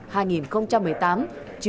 chưa được phát triển